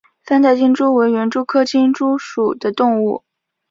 三带金蛛为园蛛科金蛛属的动物。